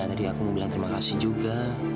tadi aku mau bilang terima kasih juga